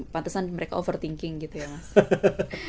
pantesan mereka overthinking gitu ya mas